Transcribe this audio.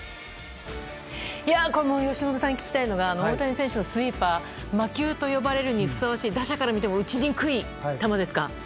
由伸さんに聞きたいのが大谷選手のスイーパー魔球と呼ぶにふさわしい打者から見ても打ちにくい球ですか？